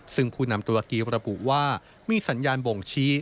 ซึ่งผู้นำตุรกีระบุว่ามีสัญญาณบ่งชี้